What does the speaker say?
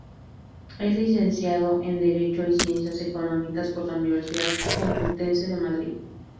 Es licenciado en Derecho y Ciencias Económicas por la Universidad Complutense de Madrid.